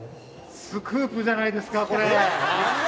スクープじゃないですかこれ。